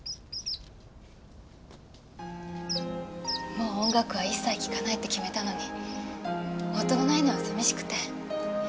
もう音楽は一切聴かないって決めたのに音のないのは寂しくて。